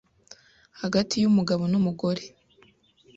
hagati y’umugabo n’umugore